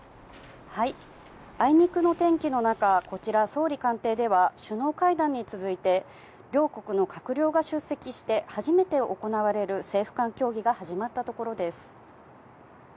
あいにくの天気の中、こちら、総理官邸では首脳会談に続いて、両国の閣僚が出席して、初めて行われる政府間協議が始まったところです。